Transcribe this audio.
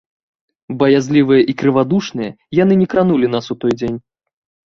Баязлівыя і крывадушныя яны не кранулі нас у той дзень.